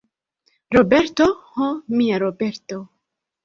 Roberto, ho, mia Roberto!